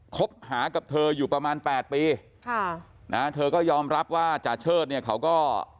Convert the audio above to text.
คบหากับเธออยู่ประมาณแปดปีค่ะนะฮะเธอก็ยอมรับว่าจาเชิดเนี่ยเขาก็